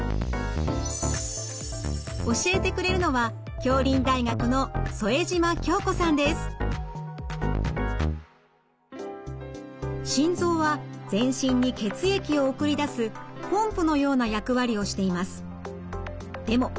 教えてくれるのは心臓は全身に血液を送り出すポンプのような役割をしています。